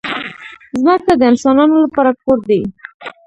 ځمکه د انسانانو لپاره کور دی.